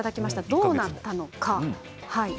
どうなったのか。